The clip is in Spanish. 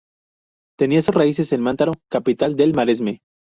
Tenía sus raíces en Mataró, capital del Maresme.